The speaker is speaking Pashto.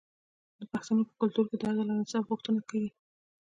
د پښتنو په کلتور کې د عدل او انصاف غوښتنه کیږي.